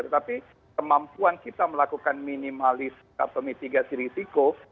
tetapi kemampuan kita melakukan minimalis tak memitigasi risiko